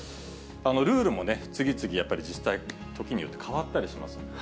ルールも次々やっぱり自治体、時によって変わったりしますんで。